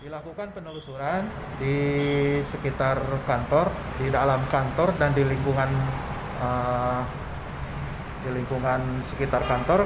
dilakukan penelusuran di sekitar kantor di dalam kantor dan di lingkungan sekitar kantor